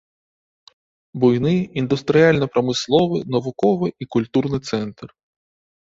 Буйны індустрыяльна-прамысловы, навуковы і культурны цэнтр.